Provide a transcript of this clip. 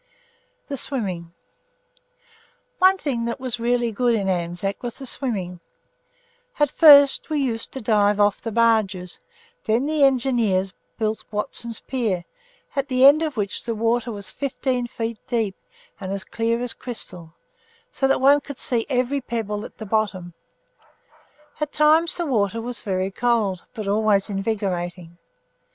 THE SWIMMING One thing that was really good in Anzac was the swimming. At first we used to dive off the barges; then the Engineers built Watson's pier, at the end of which the water was fifteen feet deep and as clear as crystal, so that one could see every pebble at the bottom. At times the water was very cold, but always invigorating.